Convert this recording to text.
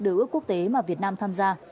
đối ước quốc tế mà việt nam tham gia